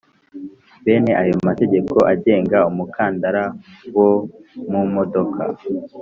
Bene ayo mategeko agenga umukandara wo mu modoka